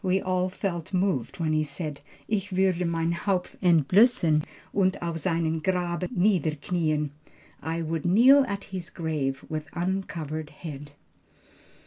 We all felt moved when he said, 'Ich würde mein Haupt entblössen und auf seinem Grabe niederknieen.' (I would kneel at his grave with uncovered head.)"